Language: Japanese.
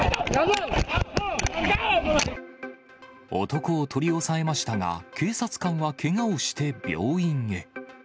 男を取り押さえましたが、警察官はけがをして病院へ。